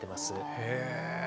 へえ。